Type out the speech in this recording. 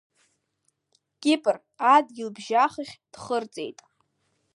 Кипр адгьылбжьахахь дхырҵеит.